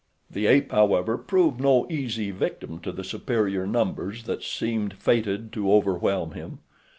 The ape, however, proved no easy victim to the superior numbers that seemed fated to overwhelm him.